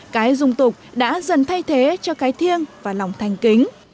cái dung tục đã dần thay thế cho cái thiêng và lòng thành kính